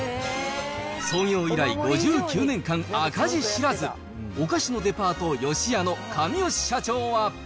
創業以来５９年間赤字知らず、お菓子のデパートよしやの神吉社長は。